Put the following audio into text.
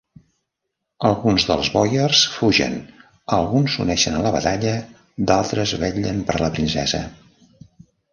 Alguns dels boiars fugen; alguns s'uneixen a la batalla, d'altres vetllen per la princesa.